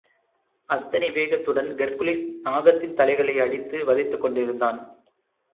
அத்தனை வேகத்துடன் ஹெர்க்குலிஸ் நாகத்தின் தலைகளை அடித்து வதைத்துக்கொண்டிருந்தான்.